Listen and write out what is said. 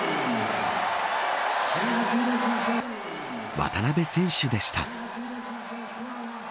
渡邊選手でした。